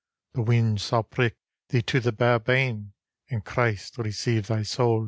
The whins sail prick thee to the bare bane; And Christe receive thy saule.